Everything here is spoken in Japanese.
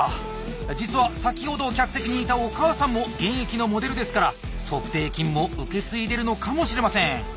実は先ほど客席にいたお母さんも現役のモデルですから足底筋も受け継いでるのかもしれません。